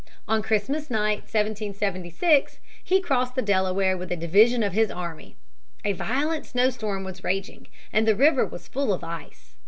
On Christmas night, 1776, he crossed the Delaware with a division of his army. A violent snowstorm was raging, the river was full of ice.